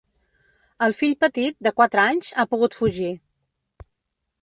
El fill petit, de quatre anys, ha pogut fugir.